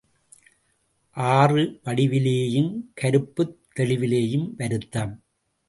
ஆறு வடிவிலேயும் கருப்புத் தெளிவிலேயும் வருத்தும்.